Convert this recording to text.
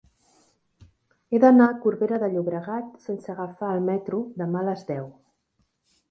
He d'anar a Corbera de Llobregat sense agafar el metro demà a les deu.